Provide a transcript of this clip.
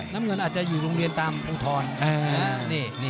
น้องเกงอาจจะอยู่โรงเรียนตามธนธรรม